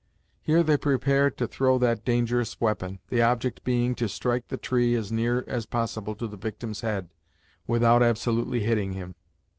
Here they prepared to throw that dangerous weapon, the object being to strike the tree as near as possible to the victim's head, without absolutely hitting him.